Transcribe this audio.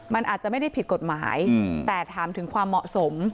มันอาจจะไม่ได้ผิดกฎหมายแต่ถามถึงความเหมาะสม